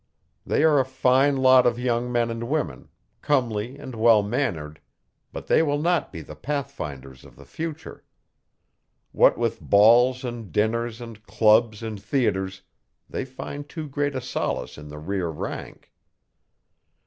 They are a fine lot of young men and women comely and well mannered but they will not be the pathfinders of the future. What with balls and dinners and clubs and theatres, they find too great a solace in the rear rank.